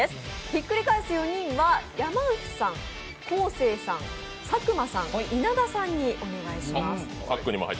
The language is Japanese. ひっくり返す４人は山内さん、昴生さん、佐久間さん、稲田さんにお願いします。